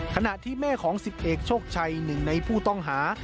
ขณะที่แม่ของ๑๐เอกโชคชัยหนึ่งในผู้ต้องหา